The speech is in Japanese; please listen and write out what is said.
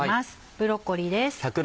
ブロッコリーです。